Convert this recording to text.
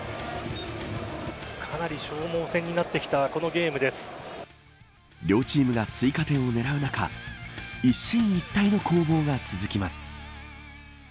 かなり消耗戦になってきた両チームが追加点を狙う中一進一退の攻防が続きます。